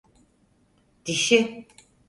Dişi.